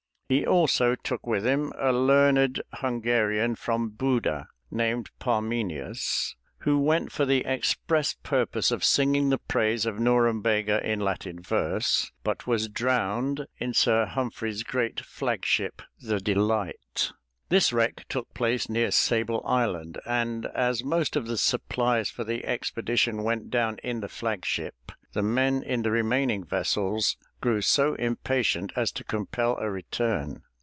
He also took with him a learned Hungarian from Buda, named Parmenius, who went for the express purpose of singing the praise of Norumbega in Latin verse, but was drowned in Sir Humphrey's great flag ship, the Delight. This wreck took place near Sable Island, and as most of the supplies for the expedition went down in the flag ship, the men in the remaining vessels grew so impatient as to compel a return.